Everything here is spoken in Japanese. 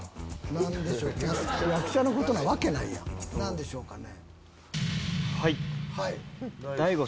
何でしょうかね？